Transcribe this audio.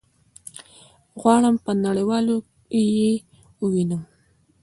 غواړم په نړيوالو کي يي ووينم